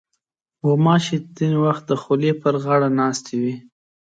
غوماشې ځینې وخت د خولې پر غاړه ناستې وي.